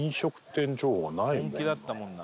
「本気だったもんな」